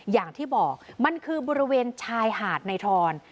อย่างที่บอกมันคือบริเวณชายหาดในทอน